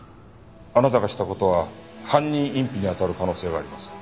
あなたがした事は犯人隠避にあたる可能性があります。